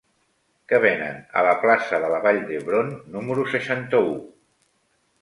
Què venen a la plaça de la Vall d'Hebron número seixanta-u?